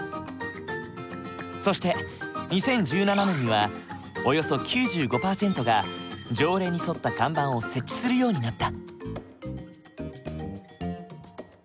そして２０１７年にはおよそ９５％が条例に沿った看板を設置するようになった。